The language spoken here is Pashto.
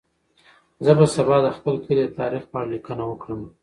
زه به سبا د خپل کلي د تاریخ په اړه لیکنه وکړم.